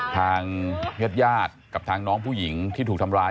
ทางญาติกับทางน้องผู้หญิงที่ถูกทำร้าย